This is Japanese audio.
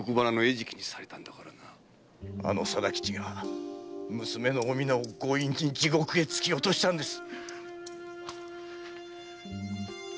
あの貞吉が娘の「おみな」を強引に地獄へ突き落としたんです！